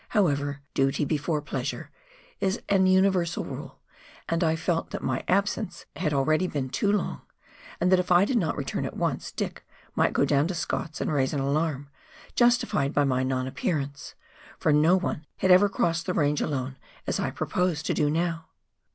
However, " duty before pleasure " is an universal rule, and I felt that my absence had already been too long, and that if I did not at once return, Dick might go down to Scott's and raise an alarm, justified by my non appearance; for no one had ever crossed the range alone as I proposed to do now.